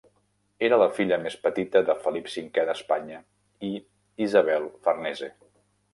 Era la filla més petita de Felip V d'Espanya i Isabel Farnese.